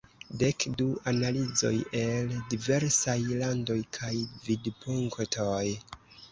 Dek du analizoj el diversaj landoj kaj vidpunktoj".